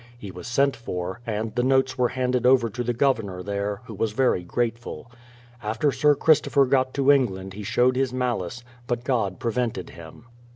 He was sent for, and the notes were handed over to the Governor there, who was very grateful. After Sir Christopher got to England he showed his malice; but God prevented him.